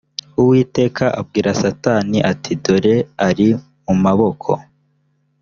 uwiteka abwira satani ati dore ari mu maboko